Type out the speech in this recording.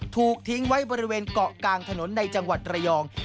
ถูกทิ้งไว้บริเวณเกาะกลางถนนในจังหวัดระยอง